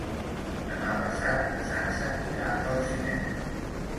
Demà passat na Sança irà al cinema.